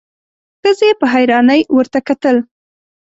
ښځې په حيرانۍ ورته کتل: